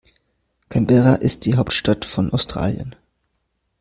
Canberra ist die Hauptstadt von Australien.